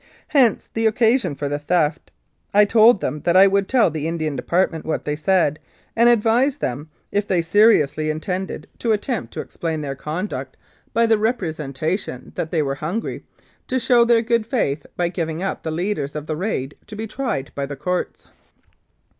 Hence the occasion for the theft. I told them that I would tell the Indian Department what they said, and advised them, if they seriously intended to attempt to explain 144 The Crooked Lakes Affair their conduct by the representation that they were hungry, to show their good faith by giving up the leaders of the raid to be tried by the Courts.